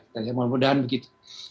dan ya mudah mudahan begitu